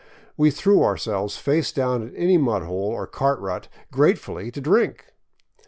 We threw ourselves face down at any mud hole or cart rut, gratefully, to drink.